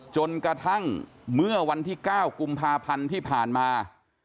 จนกระทั่งเมื่อวันที่๙กุมภาพันธ์ที่ผ่านมา